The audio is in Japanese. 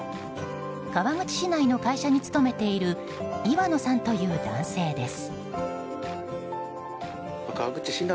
川口市内の会社に勤めている岩野さんという男性です。